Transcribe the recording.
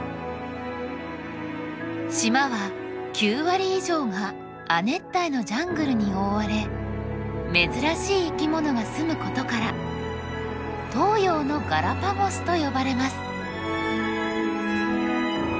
島は９割以上が亜熱帯のジャングルに覆われ珍しい生き物が住むことから東洋のガラパゴスと呼ばれます。